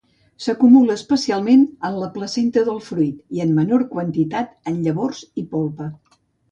S'acumula especialment en la placenta del fruit i en menor quantitat en llavors i polpa.